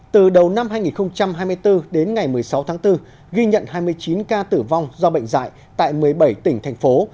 từ đầu năm hai nghìn hai mươi bốn đến ngày một mươi sáu tháng bốn ghi nhận hai mươi chín ca tử vong do bệnh dạy tại một mươi bảy tỉnh thành phố